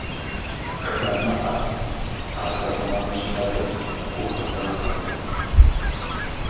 Хамэӏэр ӏэгъэзагъэ щхьэкӏэ, гугъэзагъэкъым.